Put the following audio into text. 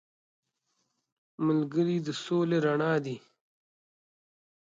ملګری د سولې رڼا دی